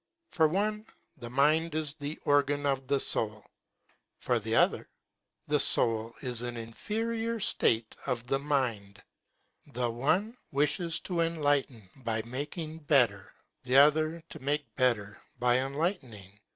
For one, the mind is the organ of the soul; for the other, the soul is an inferior state of the mind; the one wishes to enlighten. by making better, the other to make better by enlightening.